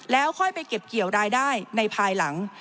แล้วค่อยไปเก็บเกี่ยวรายได้ในภายหลัง